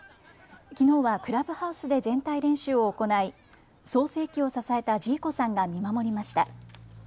きのうはクラブハウスで全体練習を行い、創生期を支えたジーコさんが見守りました。